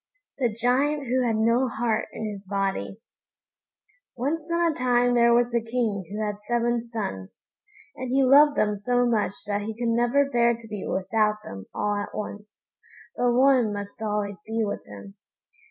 THE GIANT WHO HAD NO HEART IN HIS BODY Once on a time there was a King who had seven sons, and he loved them so much that he could never bear to be without them all at once, but one must always be with him.